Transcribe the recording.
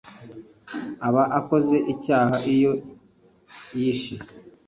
aba akoze icyaha iyo yishe